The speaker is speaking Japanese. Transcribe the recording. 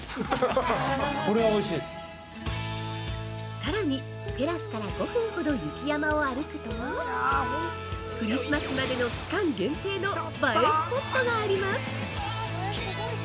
◆さらに、テラスから５分ほど雪山を歩くとクリスマスまでの期間限定の映えスポットがあります。